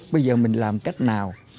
bây giờ mình làm cách nào